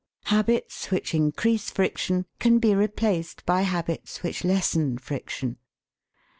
Habits which increase friction can be replaced by habits which lessen friction.